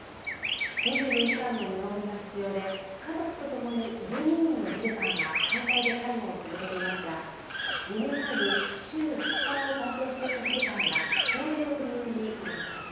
２４時間の見守りが必要で家族とともに１２人のヘルパーが交代で介護を続けていますが２年前に週２日を担当していたヘルパーが高齢を理由に引退。